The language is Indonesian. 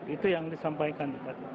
itu yang disampaikan